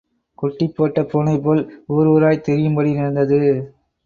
குட்டிப்போட்ட பூனைப்போல், ஊரூராய்த் திரியும்படி நேர்ந்தது.